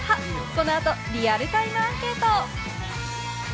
この後、リアルタイムアンケート。